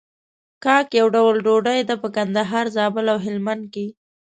کاک يو ډول ډوډۍ ده په کندهار، زابل او هلمند کې.